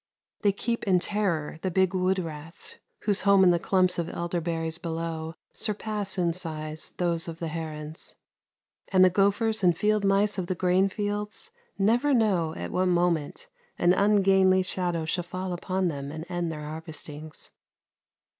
They keep in terror the big wood rats whose homes in the clumps of elder berries below surpass in size those of the herons. And the gophers and field mice of the grain fields never know at what moment an ungainly shadow shall fall upon them and end their harvestings.